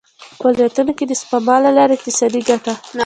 په فعالیتونو کې د سپما له لارې اقتصادي ګټه.